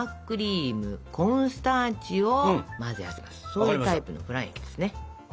そういうタイプのフラン液ですね。